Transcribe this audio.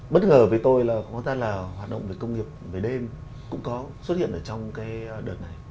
bất ngờ với tôi là có thể là hoạt động về công nghiệp về đêm cũng có xuất hiện ở trong cái đợt này